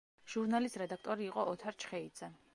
ჟურნალის რედაქტორი იყო ოთარ ჩხეიძე.